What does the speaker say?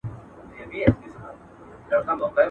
موسیقي، قمار، شراب هر څه یې بند کړل.